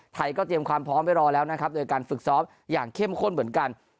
ไทยก็เตรียมความพร้อมไว้รอแล้วนะครับโดยการฝึกซ้อมอย่างเข้มข้นเหมือนกัน